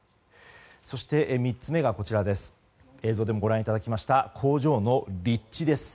そして、３つ目が映像でもご覧いただきました工場の立地です。